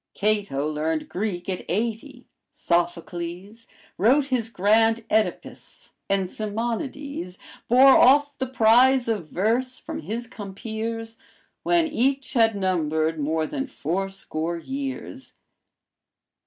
Cato learned Greek at eighty; Sophocles Wrote his grand Oedipus, and Simonides Bore off the prize of verse from his compeers, When each had numbered more than four score years.